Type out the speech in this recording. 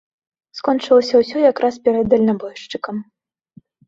Скончылася ўсё якраз перад дальнабойшчыкам.